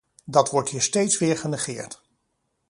Dat wordt hier steeds weer genegeerd.